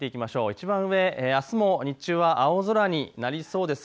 いちばん上、あすも日中は青空になりそうです。